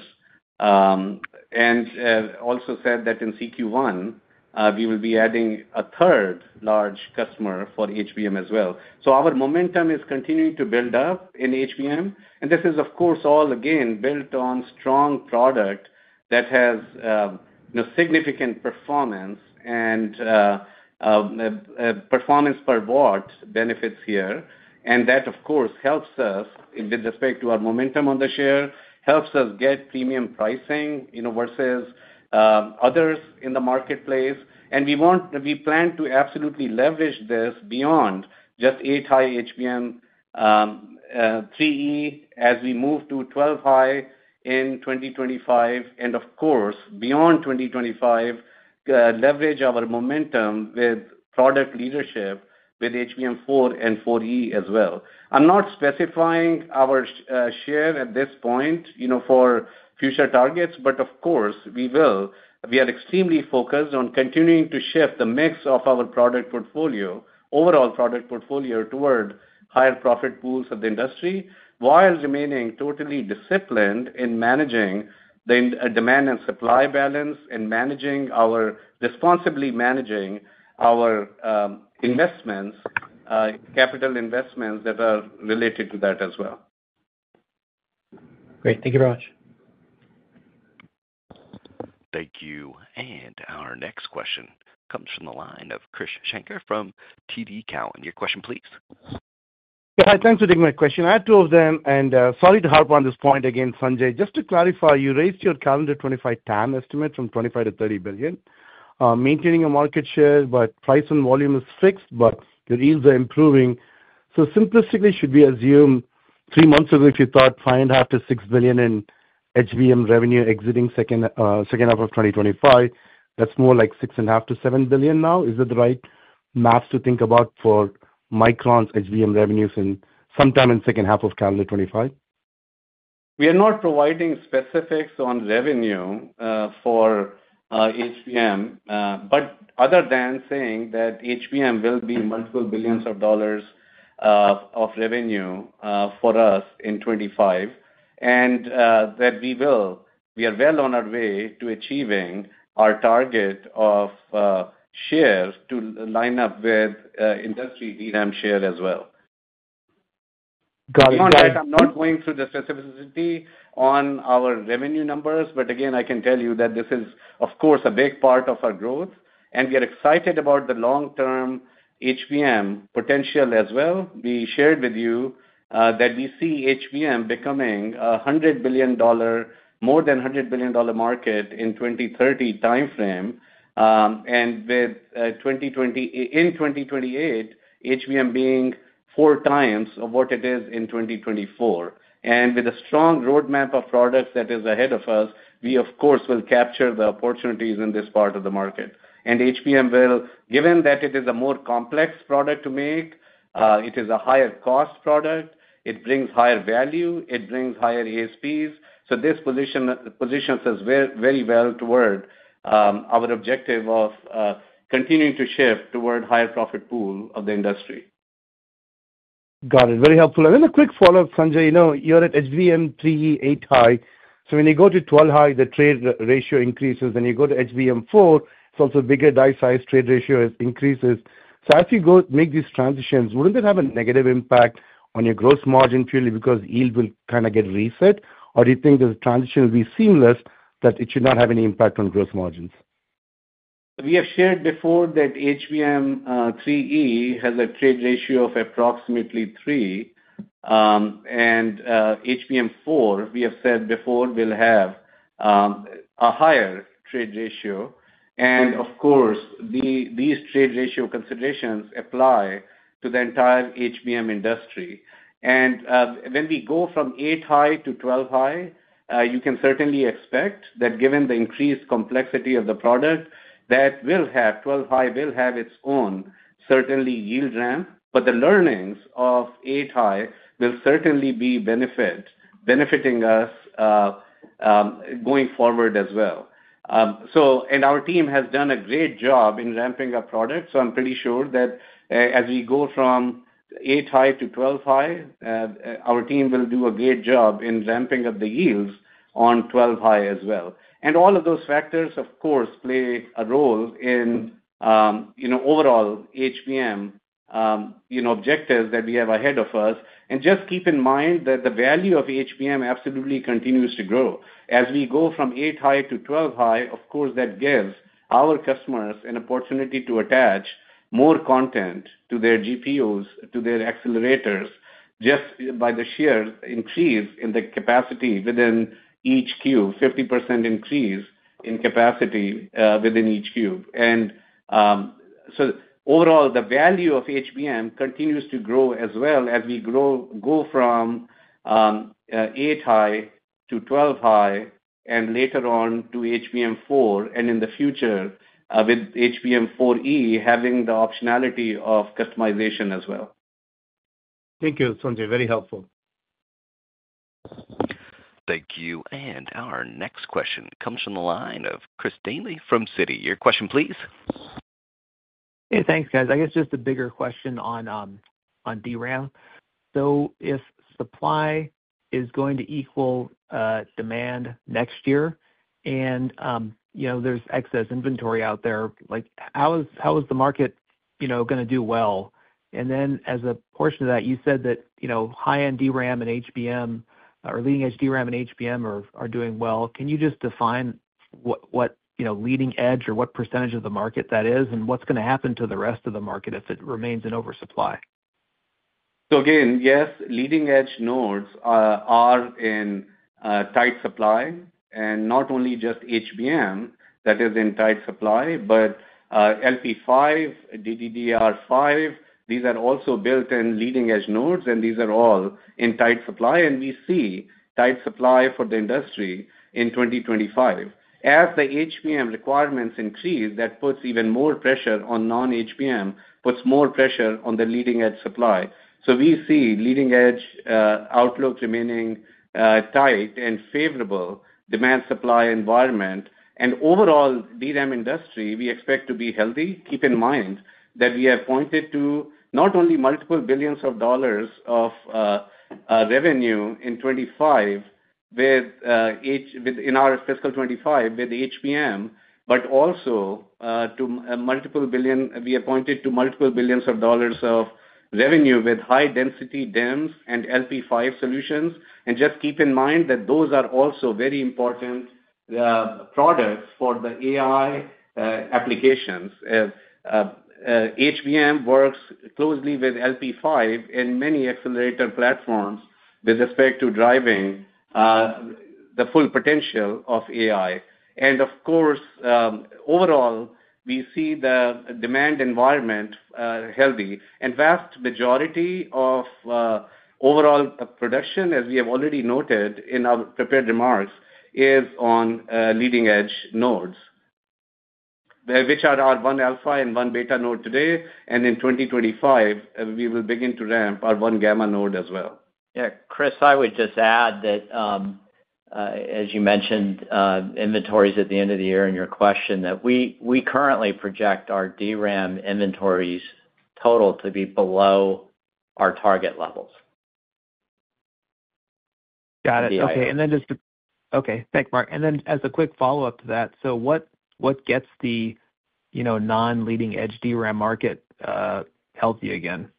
C: and also said that in Q1, we will be adding a third large customer for HBM as well, so our momentum is continuing to build up in HBM, and this is, of course, all again built on strong product that has significant performance and performance per watt benefits here. And that, of course, helps us with respect to our momentum on the share, helps us get premium pricing versus others in the marketplace. We plan to absolutely leverage this beyond just 8-high HBM3E as we move to 12-high in 2025, and, of course, beyond 2025, leverage our momentum with product leadership with HBM4 and HBM4E as well. I'm not specifying our share at this point for future targets, but, of course, we will. We are extremely focused on continuing to shift the mix of our product portfolio, overall product portfolio toward higher profit pools of the industry while remaining totally disciplined in managing the demand and supply balance and responsibly managing our investments, capital investments that are related to that as well.
H: Great. Thank you very much.
A: Thank you. And our next question comes from the line of Krish Sankar from TD Cowen. Your question, please.
I: Yeah, thanks for taking my question. I have two of them, and sorry to harp on this point again, Sanjay. Just to clarify, you raised your calendar 2025 TAM estimate from $25 to 30 billion, maintaining a market share, but price and volume is fixed, but your yields are improving. So simplistically, should we assume three months ago, if you thought $5.5 to 6 billion in HBM revenue exiting second half of 2025, that's more like $6.5 to 7 billion now? Is that the right math to think about for Micron's HBM revenues sometime in the second half of calendar 2025?
C: We are not providing specifics on revenue for HBM, but other than saying that HBM will be multiple billions of dollars of revenue for us in 2025 and that we are well on our way to achieving our target of share to line up with industry DRAM share as well. Beyond that, I'm not going through the specificity on our revenue numbers, but again, I can tell you that this is, of course, a big part of our growth, and we are excited about the long-term HBM potential as well. We shared with you that we see HBM becoming a $100 billion, more than $100 billion market in the 2030 timeframe, and in 2028, HBM being four times what it is in 2024. And with a strong roadmap of products that is ahead of us, we, of course, will capture the opportunities in this part of the market. And HBM will, given that it is a more complex product to make, it is a higher-cost product, it brings higher value, it brings higher ASPs. So this positions us very well toward our objective of continuing to shift toward a higher profit pool of the industry.
I: Got it. Very helpful. And then a quick follow-up, Sanjay. You're at HBM3E, 8-high. So when you go to 12-high, the trade ratio increases. When you go to HBM4, it's also bigger die size trade ratio increases. As you make these transitions, wouldn't that have a negative impact on your gross margin purely because yield will kind of get reset? Or do you think the transition will be seamless, that it should not have any impact on gross margins?
C: We have shared before that HBM3E has a trade ratio of approximately 3, and HBM4, we have said before, will have a higher trade ratio. Of course, these trade ratio considerations apply to the entire HBM industry. When we go from 8-high to 12-high, you can certainly expect that, given the increased complexity of the product, that 12-high will have its own, certainly, yield ramp, but the learnings of 8-high will certainly be benefiting us going forward as well. And our team has done a great job in ramping up product, so I'm pretty sure that as we go from 8-high to 12-high, our team will do a great job in ramping up the yields on 12-high as well. And all of those factors, of course, play a role in overall HBM objectives that we have ahead of us. And just keep in mind that the value of HBM absolutely continues to grow. As we go from 8-high to 12-high, of course, that gives our customers an opportunity to attach more content to their GPUs, to their accelerators, just by the sheer increase in the capacity within each cube, 50% increase in capacity within each cube. And so overall, the value of HBM continues to grow as well as we go from 8-high to 12-high and later on to HBM4 and in the future with HBM4E having the optionality of customization as well.
I: Thank you, Sanjay. Very helpful.
A: Thank you. And our next question comes from the line of Chris Danely from Citi. Your question, please.
J: Hey, thanks, guys. I guess just a bigger question on DRAM. So if supply is going to equal demand next year and there's excess inventory out there, how is the market going to do well? And then as a portion of that, you said that high-end DRAM and HBM or leading-edge DRAM and HBM are doing well. Can you just define what leading-edge or what percentage of the market that is and what's going to happen to the rest of the market if it remains in oversupply?
C: So again, yes, leading-edge nodes are in tight supply. And not only just HBM that is in tight supply, but LP5, DDR5, these are also built on leading-edge nodes, and these are all in tight supply. And we see tight supply for the industry in 2025. As the HBM requirements increase, that puts even more pressure on non-HBM, puts more pressure on the leading-edge supply. So we see leading-edge outlook remaining tight and favorable demand-supply environment. And overall, DRAM industry, we expect to be healthy. Keep in mind that we have pointed to not only multiple billions of dollars of revenue in 2025 in our fiscal 2025 with HBM, but also to multiple billions of dollars of revenue with high-density DIMMs and LP5 solutions. And just keep in mind that those are also very important products for the AI applications. HBM works closely with LP5 in many accelerator platforms with respect to driving the full potential of AI. And, of course, overall, we see the demand environment healthy. And vast majority of overall production, as we have already noted in our prepared remarks, is on leading-edge nodes, which are our 1-alpha and 1-beta node today. And in 2025, we will begin to ramp our 1-gamma node as well.
D: Yeah. Chris, I would just add that, as you mentioned, inventories at the end of the year in your question, that we currently project our DRAM inventories total to be below our target levels.
J: Got it. Okay. Thanks, Mark. And then as a quick follow-up to that, so what gets the non-leading-edge DRAM market healthy again?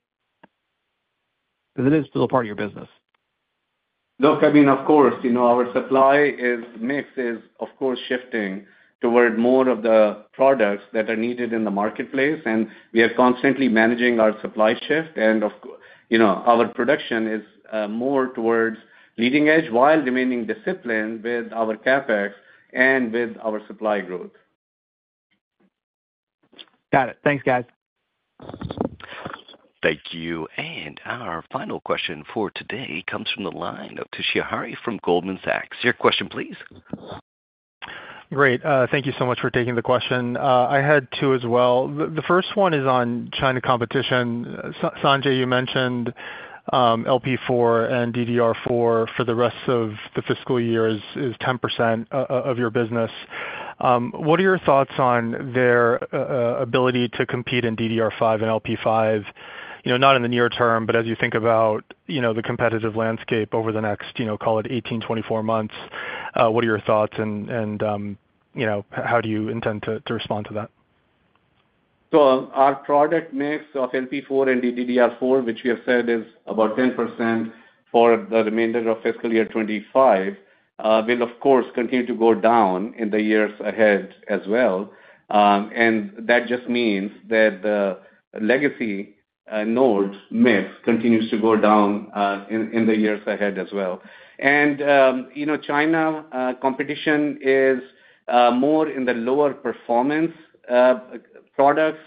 C: Because it is still a part of your business. Look, I mean, of course, our supply mix is, of course, shifting toward more of the products that are needed in the marketplace, and we are constantly managing our supply shift. And our production is more towards leading-edge while remaining disciplined with our CapEx and with our supply growth.
J: Got it. Thanks, guys.
A: Thank you. And our final question for today comes from the line of Toshiya Hari from Goldman Sachs. Your question, please.
K: Great. Thank you so much for taking the question. I had two as well. The first one is on China competition. Sanjay, you mentioned LP4 and DDR4 for the rest of the fiscal year is 10% of your business. What are your thoughts on their ability to compete in DDR5 and LP5, not in the near term, but as you think about the competitive landscape over the next, call it, 18 to 24 months? What are your thoughts, and how do you intend to respond to that?
C: So our product mix of LP4 and DDR4, which we have said is about 10% for the remainder of fiscal year 2025, will, of course, continue to go down in the years ahead as well. And that just means that the legacy node mix continues to go down in the years ahead as well. And China competition is more in the lower performance products.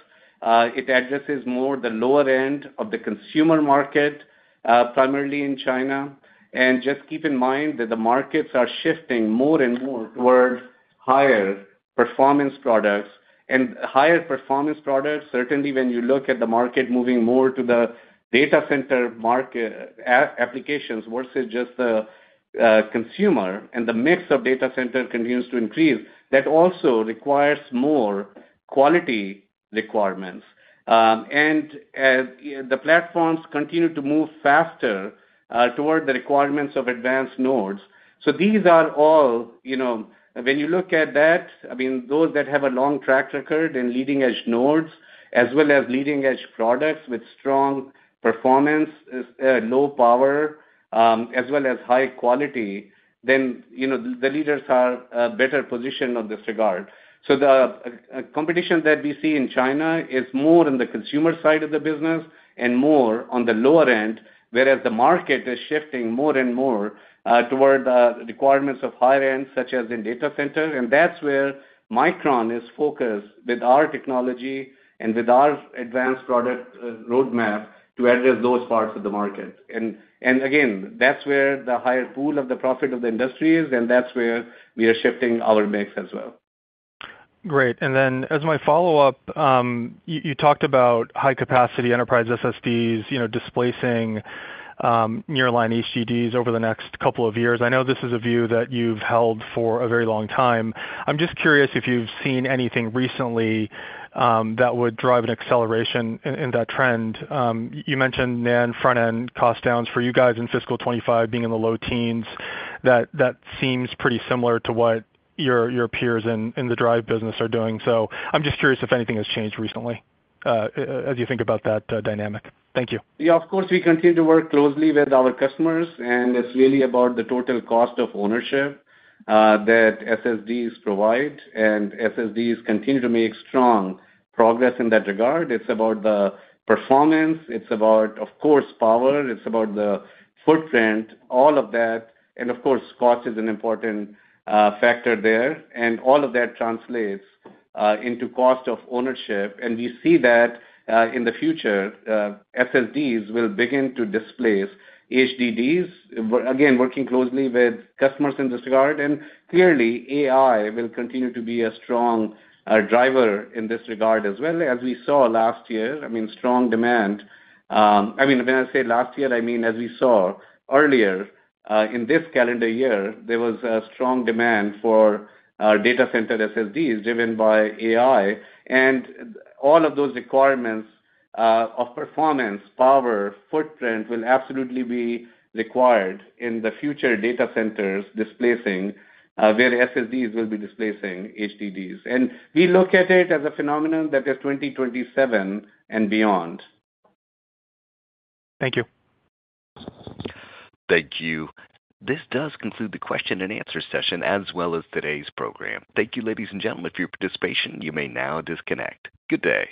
C: It addresses more the lower end of the consumer market, primarily in China. And just keep in mind that the markets are shifting more and more towards higher performance products. And higher performance products, certainly when you look at the market moving more to the data center market applications versus just the consumer, and the mix of data center continues to increase, that also requires more quality requirements. And the platforms continue to move faster toward the requirements of advanced nodes. So these are all, when you look at that, I mean, those that have a long track record in leading-edge nodes as well as leading-edge products with strong performance, low power, as well as high quality, then the leaders are better positioned in this regard. So the competition that we see in China is more on the consumer side of the business and more on the lower end, whereas the market is shifting more and more toward the requirements of higher end, such as in data center. And that's where Micron is focused with our technology and with our advanced product roadmap to address those parts of the market. And again, that's where the higher pool of the profit of the industry is, and that's where we are shifting our mix as well.
K: Great. And then as my follow-up, you talked about high-capacity enterprise SSDs displacing nearline HDDs over the next couple of years. I know this is a view that you've held for a very long time. I'm just curious if you've seen anything recently that would drive an acceleration in that trend. You mentioned NAND front-end cost downs for you guys in fiscal 2025 being in the low teens. That seems pretty similar to what your peers in the drive business are doing. So I'm just curious if anything has changed recently as you think about that dynamic. Thank you.
C: Yeah. Of course, we continue to work closely with our customers, and it's really about the total cost of ownership that SSDs provide. And SSDs continue to make strong progress in that regard. It's about the performance. It's about, of course, power. It's about the footprint, all of that. And, of course, cost is an important factor there. And all of that translates into cost of ownership. And we see that in the future, SSDs will begin to displace HDDs, again, working closely with customers in this regard. And clearly, AI will continue to be a strong driver in this regard as well as we saw last year. I mean, strong demand. I mean, when I say last year, I mean as we saw earlier in this calendar year, there was a strong demand for data center SSDs driven by AI. And all of those requirements of performance, power, footprint will absolutely be required in the future data centers displacing where SSDs will be displacing HDDs. And we look at it as a phenomenon that is 2027 and beyond.
K: Thank you.
A: Thank you. This does conclude the question and answer session as well as today's program. Thank you, ladies and gentlemen, for your participation. You may now disconnect. Good day.